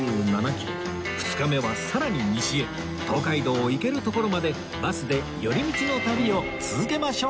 ２日目はさらに西へ東海道を行けるところまでバスで寄り道の旅を続けましょう